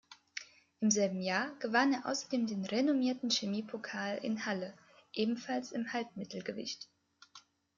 Im selben Jahr gewann er außerdem den renommierten Chemiepokal in Halle, ebenfalls im Halbmittelgewicht.